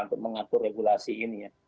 untuk mengatur regulasi ini ya